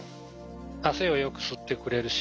汗をよく吸ってくれるし